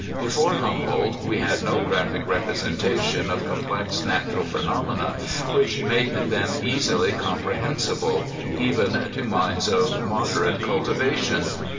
Before Humboldt we had no graphic representation of complex natural phenom ena which made them easily comprehensible, even to minds of moderate cultivation.